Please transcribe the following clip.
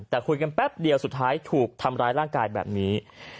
แต่คุยกันแป๊บเดียวสุดท้ายถูกทำร้ายร่างกายแบบนี้